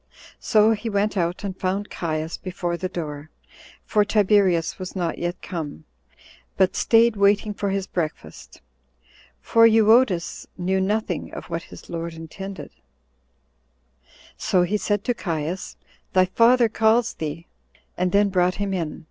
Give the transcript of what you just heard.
So he went out, and found Caius before the door, for Tiberius was not yet come, but staid waiting for his breakfast; for Euodus knew nothing of what his lord intended; so he said to Caius, "Thy father calls thee," and then brought him in.